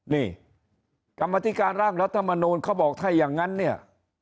นี่กรรมธิการร่างรัฐมนูลเขาบอกถ้าอย่างนั้นเนี่ย